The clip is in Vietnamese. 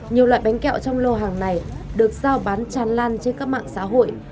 nhiều loại bánh kẹo trong lô hàng này được giao bán tràn lan trên các mạng xã hội